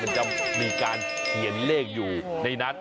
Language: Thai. มันจะมีการเขียนเลขอยู่ในนั้น